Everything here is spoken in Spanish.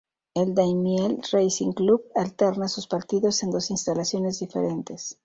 El Daimiel Racing Club alterna sus partidos en dos instalaciones diferentes.